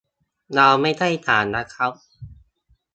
เราไม่ใช่ศาลนะครับ